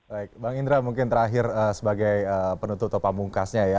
baik bang indra mungkin terakhir sebagai penutup topamungkasnya ya